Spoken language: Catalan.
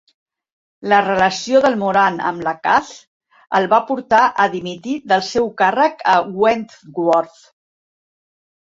La relació del Moran amb la Kath el va portar a dimitir del seu càrrec a Wentworth.